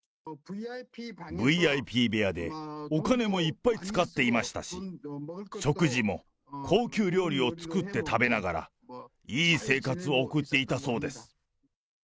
ＶＩＰ部屋でお金もいっぱい使っていましたし、食事も高級料理を作って食べながら、いい生活を送っていたそうです。